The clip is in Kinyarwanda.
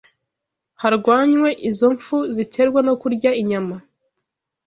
Harwanywe izo mpfu ziterwa no kurya inyama.